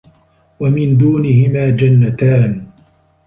وَمِن دونِهِما جَنَّتانِ